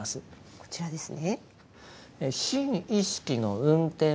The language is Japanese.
こちらですね。